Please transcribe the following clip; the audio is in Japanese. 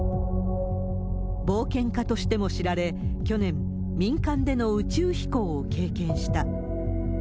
冒険家としても知られ、去年、民間での宇宙飛行を経験した。